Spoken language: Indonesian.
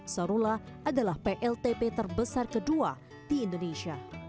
sarula adalah pltp terbesar kedua di indonesia